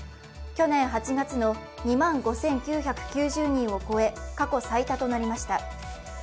去年８月の２万５９９０人を超え過去最多となりました。